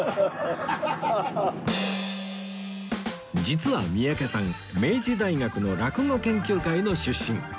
実は三宅さん明治大学の落語研究会の出身